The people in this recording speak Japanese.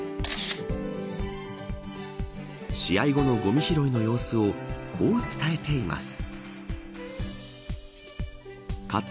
試合後のごみ拾いの様子をこう伝えています。